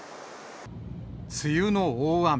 梅雨の大雨。